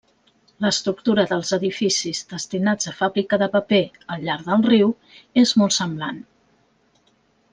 L'estructura dels edificis destinats a fàbrica de paper al llarg del riu és molt semblant.